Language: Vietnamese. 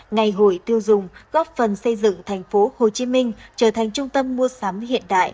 ngày hội tiêu dùng góp phần xây dựng tp hcm trở thành trung tâm mua sắm hiện đại